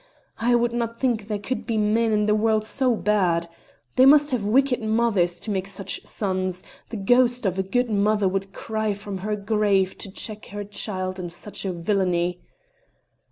I would not think there could be men in the world so bad. They must have wicked mothers to make such sons; the ghost of a good mother would cry from her grave to check her child in such a villany."